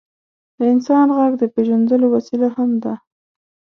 د انسان ږغ د پېژندلو وسیله هم ده.